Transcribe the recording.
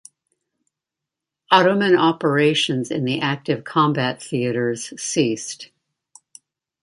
Ottoman operations in the active combat theatres ceased.